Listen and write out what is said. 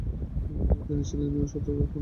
তিনি ছিলেন সত্যাগ্রহ আন্দোলনের প্রতিষ্ঠাতা।